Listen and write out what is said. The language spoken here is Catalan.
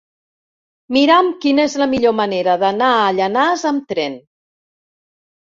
Mira'm quina és la millor manera d'anar a Llanars amb tren.